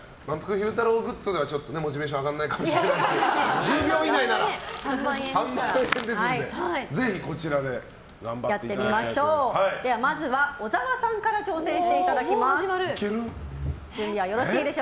昼太郎グッズじゃモチベーション上がらないかもしれませんが１０秒以内なら３万円ですのでぜひこちらでまずは、小沢さんから挑戦していただきます。